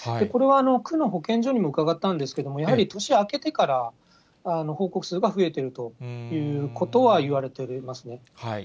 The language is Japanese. これは区の保健所にも伺ったんですけれども、やはり年明けてから、報告数が増えているということは言われていますね。